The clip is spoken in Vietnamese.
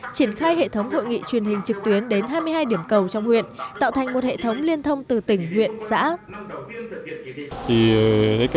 triển khai hệ thống hội nghị truyền hình trực tuyến đến hai mươi hai điểm cầu trong huyện tạo thành một hệ thống liên thông từ tỉnh huyện xã